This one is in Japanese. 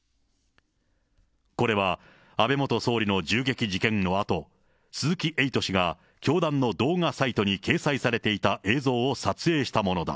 これは、安倍元総理の銃撃事件のあと、鈴木エイト氏が教団の動画サイトに掲載されていた映像を撮影したものだ。